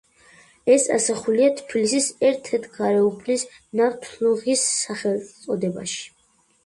ეს ასახულია თბილისის ერთ-ერთი გარეუბნის ნავთლუღის სახელწოდებაში.